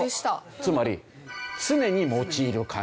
つまり常に用いる漢字。